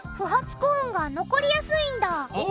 コーンが残りやすいんだお。